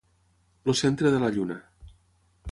El centre de la lluna.